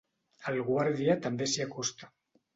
El guàrdia també s'hi acosta.